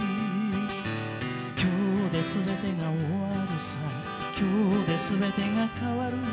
「今日ですべてが終るさ今日ですべてが変る」